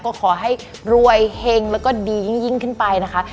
ก็ขอให้รวยเฮงแล้วก็ดียิ่งขึ้นไปนะคะ